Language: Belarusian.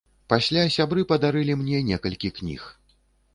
Пасля сябры падарылі мне некалькі кніг.